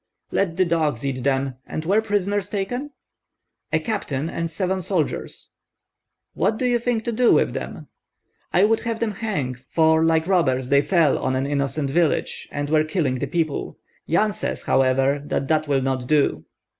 "Let the dogs eat them. And were prisoners taken?" "A captain, and seven soldiers." "What do you think to do with them?" "I would have them hanged, for like robbers they fell on an innocent village and were killing the people. Yan says, however, that that will not do."